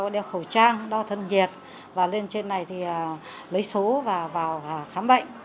đeo khẩu trang đo thân nhiệt và lên trên này thì lấy số và vào khám bệnh